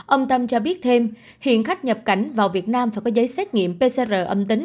ông tâm cho biết thêm hiện khách nhập cảnh vào việt nam phải có giấy xét nghiệm pcr âm tính